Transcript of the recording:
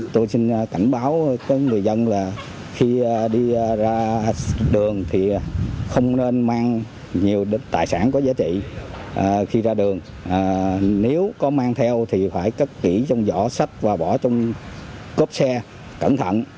tôi xin cảnh báo người dân là khi đi ra đường thì không nên mang nhiều tài sản có giá trị khi ra đường nếu có mang theo thì phải cất kỹ trong giỏ sách và bỏ trong cốp xe cẩn thận